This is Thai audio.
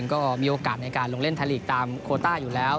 ก็มีโอกาสในการลงเล่นไทยลีกตามโคต้าอยู่แล้ว